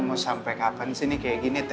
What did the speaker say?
mau sampai kapan sih ini kayak gini